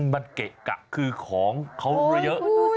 มันเกะกะคือของเขาเยอะ